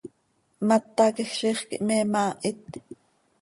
Mata quij ziix quih me maahit.